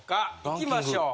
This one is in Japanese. いきましょう。